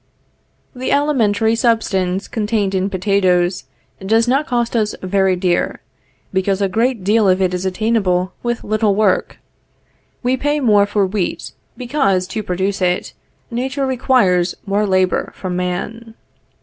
The alimentary substance contained in potatoes does not cost us very dear, because a great deal of it is attainable with little work. We pay more for wheat, because, to produce it Nature requires more labor from man.